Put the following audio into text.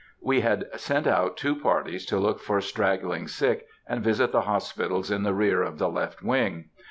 _—We had sent out two parties to look for straggling sick, and visit the hospitals in the rear of the left wing.